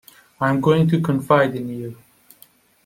I’m going to confide in you.